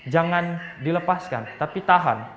jangan dilepaskan tapi tahan